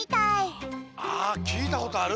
あきいたことある。